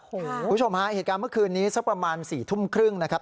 คุณผู้ชมฮะเหตุการณ์เมื่อคืนนี้สักประมาณ๔ทุ่มครึ่งนะครับ